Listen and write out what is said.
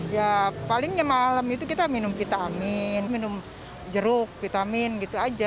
ya paling malam itu kita minum vitamin minum jeruk vitamin gitu aja